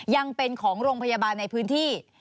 ยังเป็นของโรงพยาบาลในพื้นที่